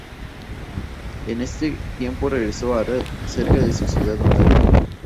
En ese tiempo regresó a Arad, cerca de su ciudad natal.